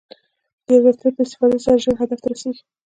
د یوې وسیلې په استفادې سره ژر هدف ته رسېږي.